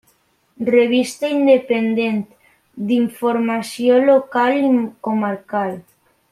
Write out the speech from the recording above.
Revista independent d'informació local i comarcal.